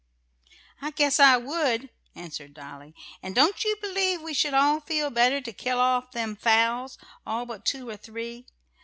"I guess I would," answered Dolly. "And don't you believe we should all feel better to kill off them fowls all but two or three?